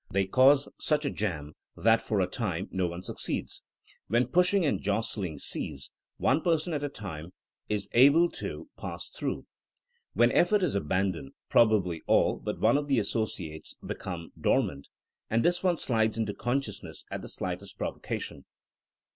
They cause such a jam that for, a time no one succeeds. When the pushing and jostling cease one person at a time is able to 90 THINEINO AS A SCIENCE pass through. When effort is abandoned, prob ably all but one of the associates become dor mant, and this one slides into consciousness at the slightest provocation.